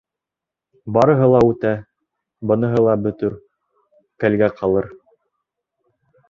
Барыһы ла үтә, быныһы ла бөтөр, кәлгә ҡалыр.